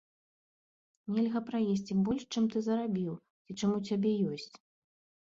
Нельга праесці больш, чым ты зарабіў ці чым у цябе ёсць.